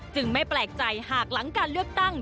ไม่แปลกใจหากหลังการเลือกตั้ง